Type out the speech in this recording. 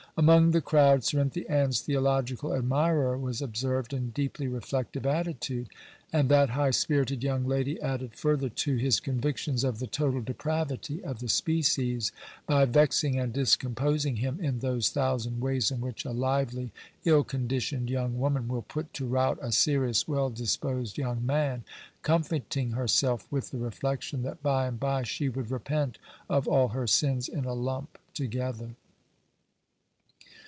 Among the crowd Cerinthy Ann's theological admirer was observed in deeply reflective attitude; and that high spirited young lady added further to his convictions of the total depravity of the species, by vexing and discomposing him in those thousand ways in which a lively, ill conditioned young woman will put to rout a serious, well disposed young man, comforting herself with the reflection that by and by she would repent of all her sins in a lump together.